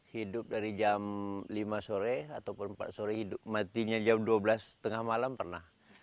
hidup dari jam lima sore ataupun empat sore hidup matinya jam dua belas tengah malam pernah